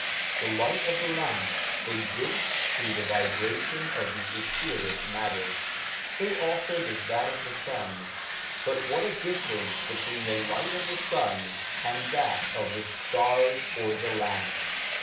The light of the lamp exists through the vibration of the etheric matter, so also does that of the sun ; but what a differ ence between the light of the sun and that of the stars or the lamp